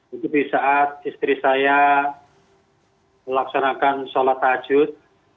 itu di saat istri saya melaksanakan sholat tahajud